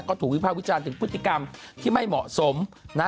ก็ถูกวิภาควิจารณ์ถึงพฤติกรรมที่ไม่เหมาะสมนะ